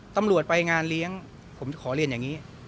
ตำรวจไปงานเลี้ยงผมขอเรียนอย่างนี้